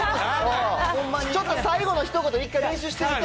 ちょっとね、最後のひと言、一回練習してみて。